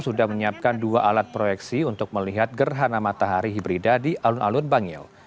sudah menyiapkan dua alat proyeksi untuk melihat gerhana matahari hibrida di alun alun bangil